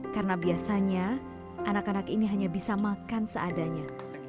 karena biasanya anak anak ini hanya bisa makan seadanya